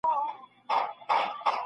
زه به د نوټونو يادونه کړې وي.